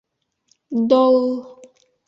— Дол!